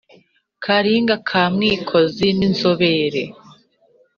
karinga ka mwikozi ninzobere